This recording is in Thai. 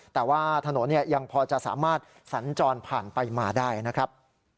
แต่ว่าถนนยังพอจะสามารถสัญจรผ่านไปมาได้นะครับ